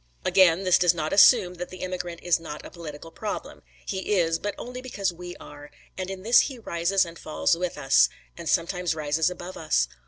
Again, this does not assume that the immigrant is not a political problem; he is, but only because we are, and in this he rises and falls with us, and sometimes rises above us.